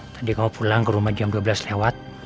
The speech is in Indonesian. tadi kamu pulang ke rumah jam dua belas lewat